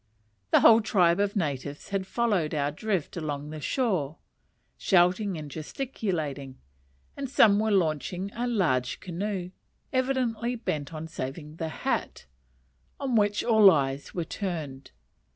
The whole tribe of natives had followed our drift along the shore, shouting and gesticulating, and some were launching a large canoe, evidently bent on saving the hat, on which all eyes were turned.